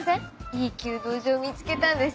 いい弓道場見つけたんです。